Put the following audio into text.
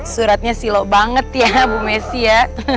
suratnya silo banget ya bu messi ya